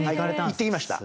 行ってきました。